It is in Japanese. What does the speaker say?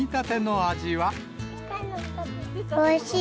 おいしい。